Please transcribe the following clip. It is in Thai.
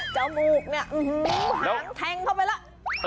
เจ้าบูกนี่หางแทงเข้าไปแล้ว